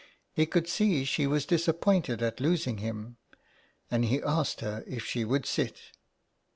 He could see she was disappointed at losing him, and he asked her if she would sit.